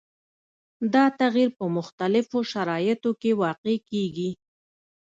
دا تغیر په مختلفو شرایطو کې واقع کیږي.